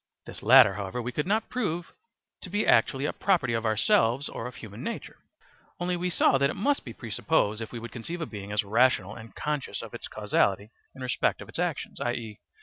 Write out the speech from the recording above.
This latter, however, we could not prove to be actually a property of ourselves or of human nature; only we saw that it must be presupposed if we would conceive a being as rational and conscious of its causality in respect of its actions, i.e.